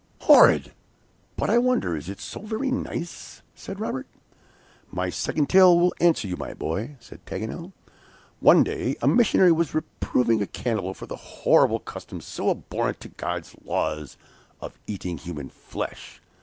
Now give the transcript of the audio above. '" "Horrid! but I wonder is it so very nice?" said Robert. "My second tale will answer you, my boy," said Paganel: "One day a missionary was reproving a cannibal for the horrible custom, so abhorrent to God's laws, of eating human flesh!